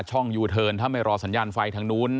ยูเทิร์นถ้าไม่รอสัญญาณไฟทางนู้น